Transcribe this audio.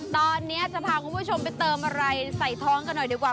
ตอนนี้จะพาคุณผู้ชมไปเติมอะไรใส่ท้องกันหน่อยดีกว่า